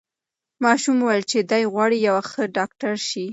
ماشوم وویل چې دی غواړي یو ښه ډاکټر سي.